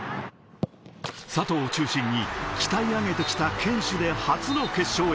佐藤を中心に鍛え上げて来た堅守で初の決勝へ。